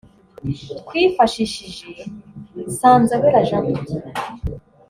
twifashishije Nsanzabera Jean de Dieu